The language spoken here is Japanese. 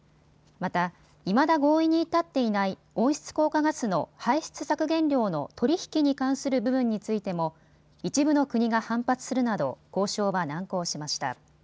また、いまだ合意に至っていない温室効果ガスの排出削減量の取り引きに関する部分についても一部の国が反発するなど交渉は難航しました。